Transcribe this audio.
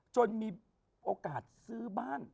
จนมีโอกาสซื้อบ้าน